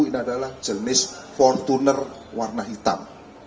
ini adalah jenis fortuner warna hitam